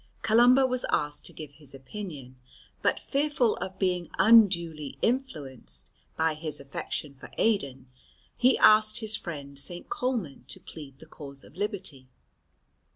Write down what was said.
Columba was asked to give his opinion, but fearful of being unduly influenced by his affection for Aidan, he asked his friend St. Colman to plead the cause of liberty.